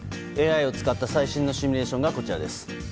ＡＩを使った最新のシミュレーションがこちらです。